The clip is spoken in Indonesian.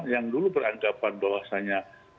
yang dulu beranggapan bahwasanya